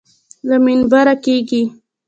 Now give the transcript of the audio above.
له منبره کېږي.